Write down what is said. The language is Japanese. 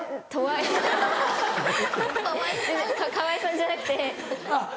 カワイさんじゃなくて。